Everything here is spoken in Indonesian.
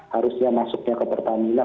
harusnya masuknya ke pertamina